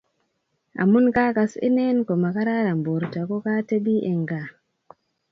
amun kakas ine ko makararan borto ko katebi eng' gaa